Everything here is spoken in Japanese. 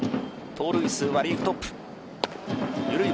盗塁数はリーグトップ。